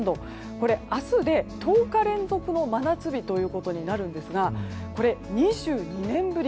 これ、明日で１０日連続の真夏日となるんですがこれ、２２年ぶり。